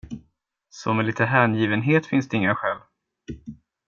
Så med lite hängivenhet finns det inga skäl.